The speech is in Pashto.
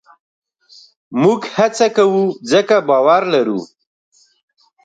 موږ هڅه کوو؛ ځکه باور لرو.